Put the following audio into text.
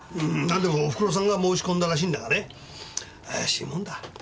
何でもおふくろさんが申し込んだらしいんだがね怪しいもんだ。